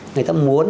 người ta muốn